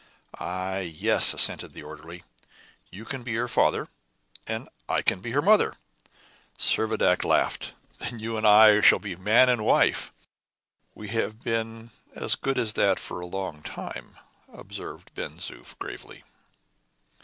"Ay, yes," assented the orderly. "You can be her father, and I can be her mother." Servadac laughed. "Then you and I shall be man and wife." "We have been as good as that for a long time," observed Ben Zoof, gravely.